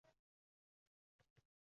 asrdosh birodar!